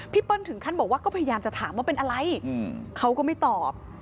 เปิ้ลถึงขั้นบอกว่าก็พยายามจะถามว่าเป็นอะไรเขาก็ไม่ตอบ